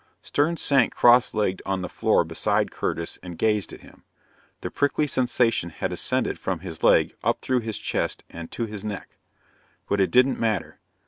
Stern sank cross legged on the floor beside Curtis and gazed at him. The prickly sensation had ascended from his leg up through his chest and to his neck. But it didn't matter.